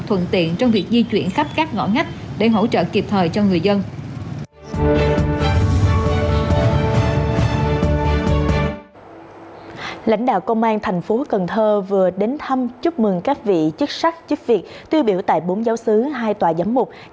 thuận tiện trong việc di chuyển khắp các ngõ ngách để hỗ trợ kịp thời cho người dân